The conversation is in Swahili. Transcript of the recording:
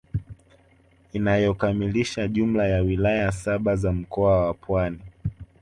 Inayokamilisha jumla ya wilaya saba za mkoa wa Pwani